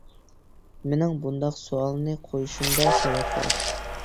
مېنىڭ بۇنداق سوئالنى قويۇشۇمدا سەۋەب بار.